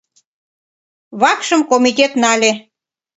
Вакшым комитет нале.